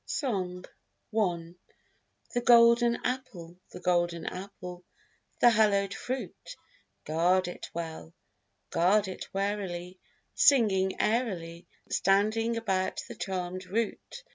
Song I The golden apple, the golden apple, the hallowed fruit, Guard it well, guard it warily, Singing airily, Standing about the charméd root.